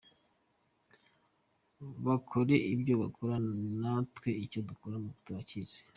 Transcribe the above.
Bakore ibyo bakora natwe icyo gukora turakizi.